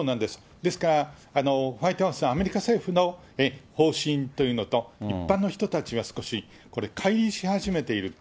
ですから、ホワイトハウス、アメリカ政府の方針というのと、一般の人たちは少しこれ、かい離し始めている。